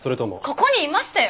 ここにいましたよ！